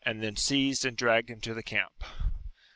IGl seized and dragged him to the camp.